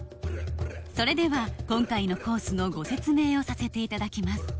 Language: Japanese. それでは今回のコースのご説明をさせていただきます